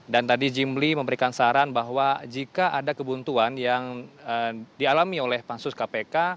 dan tadi jimli memberikan saran bahwa jika ada kebuntuan yang dialami oleh pansus kpk